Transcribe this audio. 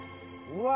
うわ！